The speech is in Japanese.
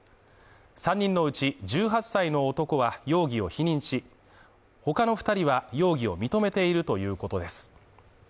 ３人のうち１８歳の男は容疑を否認し、他の２人は容疑を認めているということです。